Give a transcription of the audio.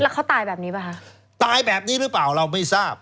แล้วเขาตายแบบนี้หรือเปล่าเราไม่ทราบ